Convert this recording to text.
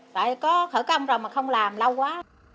phải có khởi công rồi mà không làm lâu quá